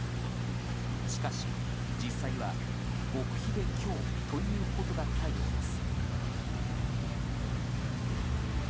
しかし、実際は極秘で今日ということだったようです。